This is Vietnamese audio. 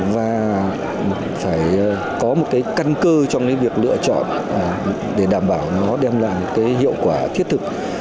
và phải có một căn cơ trong việc lựa chọn để đảm bảo nó đem lại hiệu quả thiết thực